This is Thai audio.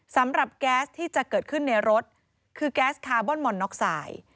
แก๊สที่จะเกิดขึ้นในรถคือแก๊สคาร์บอนมอนน็อกไซด์